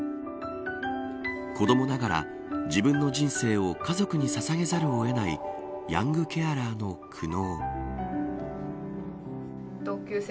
子どもながら自分の人生を家族にささげざるを得ないヤングケアラーの苦悩。